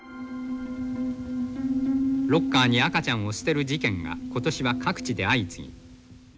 ロッカーに赤ちゃんを捨てる事件が今年は各地で相次ぎ。